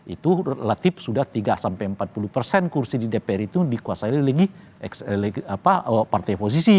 itu relatif sudah tiga sampai empat puluh persen kursi di dpr itu dikuasai lagi partai oposisi